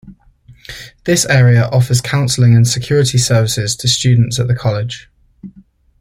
This area offers counselling and security services to students and the college.